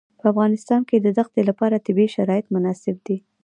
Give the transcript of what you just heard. په افغانستان کې د دښتې لپاره طبیعي شرایط مناسب دي.